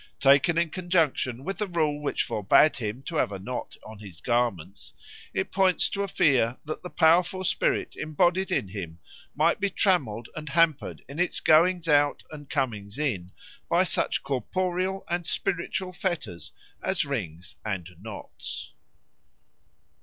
Taken in conjunction with the rule which forbade him to have a knot on his garments, it points to a fear that the powerful spirit embodied in him might be trammelled and hampered in its goings out and comings in by such corporeal and spiritual fetters as rings and knots.